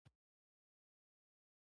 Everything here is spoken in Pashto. ما خپل ټول کوښښ وکړ.